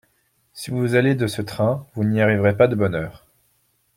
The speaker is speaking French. Si vous allez de ce train, vous n'y arriverez pas de bonne heure.